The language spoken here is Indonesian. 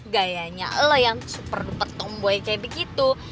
gayanya lo yang super betong boy kayak begitu